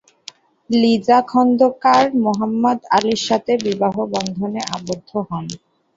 লিজা খোন্দকার মোহাম্মদ আলীর সাথে বিবাহ বন্ধনে আবদ্ধ হন।